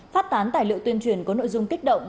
phát tán tài liệu tuyên truyền có nội dung kích động